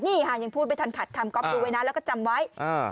นี่ค่ะยังพูดไม่ทันขัดคำก๊อฟดูไว้นะแล้วก็จำไว้อ่า